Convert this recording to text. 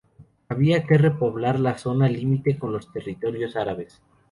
Había que repoblar la zona límite con los territorios árabes.